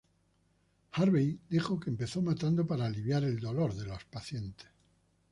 Harvey dijo que empezó matando para "aliviar el dolor" de los pacientes.